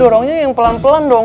lo dorongnya yang pelan pelan dong